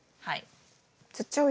はい。